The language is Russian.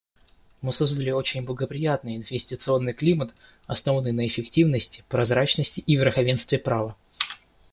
Мы создали очень благоприятный инвестиционный климат, основанный на эффективности, прозрачности и верховенстве права.